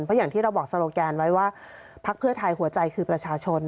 เพราะอย่างที่เราบอกโซโลแกนไว้ว่าพักเพื่อไทยหัวใจคือประชาชน